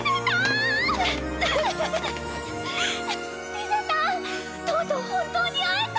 リゼたんとうとう本当に会えた。